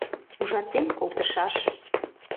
Ужатен колтышаш.